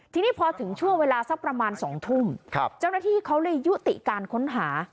ทีนี้พอถึงช่วงเวลาสักประมาณ๒ทุ่มเจ้าหน้าที่เขาเลยยุติการค้นหา